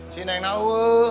si nenek nauh